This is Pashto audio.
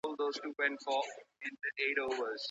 شوم تصميمونه د واکمنو لخوا بايد لغوه سي.